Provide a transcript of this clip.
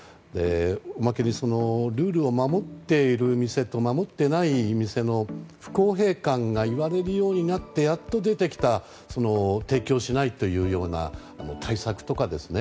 おまけにルールを守っている店と守っていない店の不公平感がいわれるようになってやっと出てきた提供しないというような対策とかですね